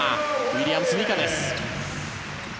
ウィリアムス・ニカです。